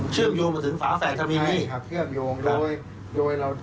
เชื่อมโยงมาถึงฝาแฝดทวีครับเชื่อมโยงโดยโดยเรา